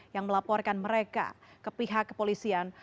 yang melaporkan mereka ke pihak kepolisian